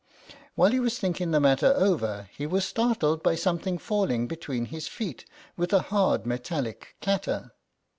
Whilst he was thinking the matter over he was startled by something falling between his feet with a hard metallic clatter.